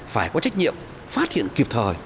phải có trách nhiệm phát hiện kịp thời